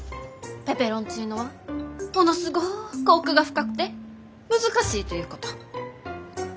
ペペロンチーノはものすごく奥が深くて難しいということ。